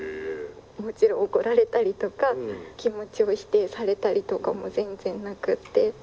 もちろん怒られたりとか気持ちを否定されたりとかも全然なくって。